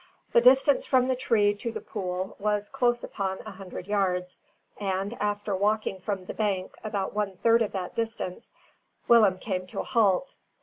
The distance from the tree to the pool was close upon a hundred yards; and, after walking from the bank about one third of that distance, Willem came to a halt.